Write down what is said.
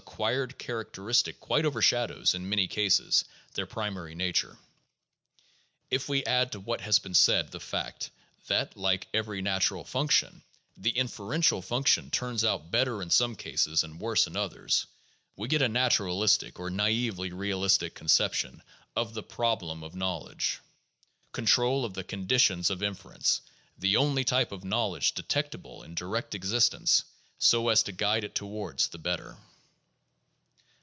cquired characteristic quite overshadows, in many cases, their primary nature. If we add to what has been said the fact that, like every natural function, the inferential function turns out better in some cases and worse in others, we get a naturalistic or naively realistic conception of the "problem of knowledge ": Control of the conditions of infer ence — the only type of knowledge detectable in direct existence — so as to guide it toward the better.